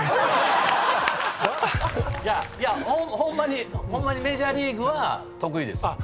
いやホンマにホンマにメジャーリーグは得意です。